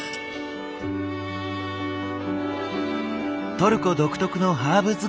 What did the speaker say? トルコ独特の「ハーブ使い」。